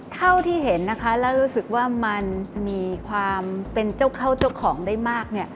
เท่าที่เห็นนะคะแล้วรู้สึกว่ามันมีความเป็นเจ้าเข้าเจ้าของได้มาก